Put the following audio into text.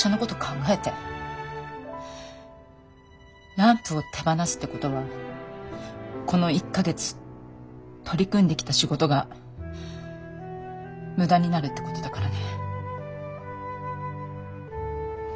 ランプを手放すってことはこの１か月取り組んできた仕事が無駄になるってことだからね。